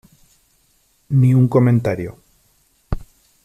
ni un comentario .